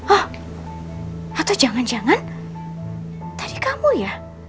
oh atau jangan jangan tadi kamu ya